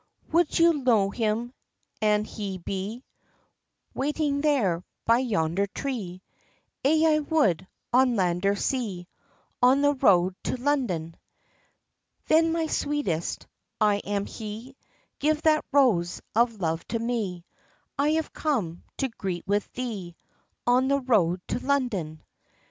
"Would you know him, an' he be Waiting there, by yonder tree?" "Aye would I, on land or sea, Or the road, to London!" "Then my sweetest, I am he, Give that rose of love to me, I have come, to greet with thee, On the road, to London!"